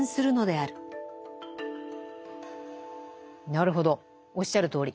なるほどおっしゃるとおり。